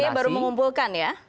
artinya baru mengumpulkan ya